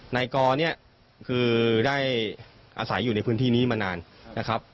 นายกอเนี่ยคือได้อาศัยอยู่ในพื้นที่นี้มานานนะครับ